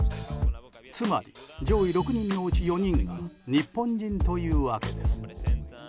つまり上位６人のうち４人が日本人というわけです。